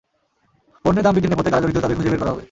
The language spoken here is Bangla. পণ্যের দাম বৃদ্ধির নেপথ্যে কারা জড়িত, তাদের খুঁজে বের করা হবে।